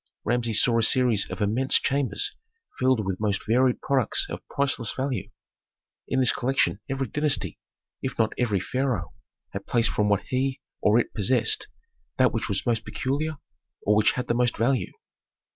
Rameses saw a series of immense chambers filled with most varied products of priceless value. In this collection every dynasty, if not every pharaoh, had placed from what he or it possessed, that which was most peculiar, or which had the most value.